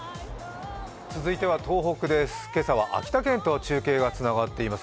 続いては東北です、今朝は秋田県と中継がつながっています。